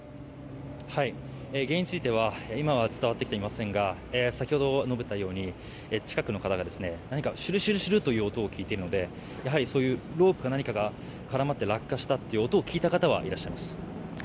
原因については今は伝わってきていませんが先ほど述べたように近くの方が、何かシュルシュルという音を聞いているのでそういうロープか何かが絡まって落下したという音を聞いた方はいらっしゃいます。